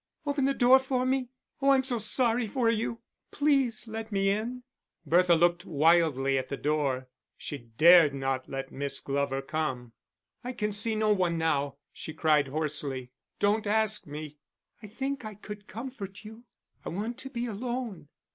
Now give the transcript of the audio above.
"Open the door for me. Oh, I'm so sorry for you. Please let me in." Bertha looked wildly at the door, she dared not let Miss Glover come. "I can see no one now," she cried, hoarsely. "Don't ask me." "I think I could comfort you." "I want to be alone."